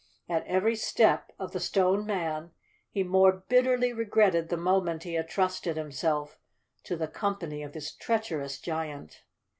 At every step of the Stone Man, he more bit¬ terly regretted the moment he had trusted himself to the company of this treacherous giant.